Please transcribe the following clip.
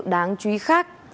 đáng chú ý khác